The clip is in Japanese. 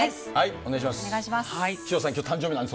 お願いします。